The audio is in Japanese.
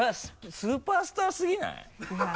スーパースターすぎない？